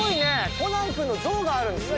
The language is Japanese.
コナンくんの像があるんですね。